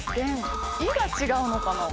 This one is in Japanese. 「意」が違うのかな？